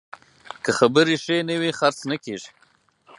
که خبرې ښې نه وي، خرڅ نه کېږي.